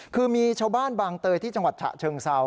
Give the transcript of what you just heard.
คือมีชาวบ้านบางเตยที่จังหวัดฉะเชิงเซา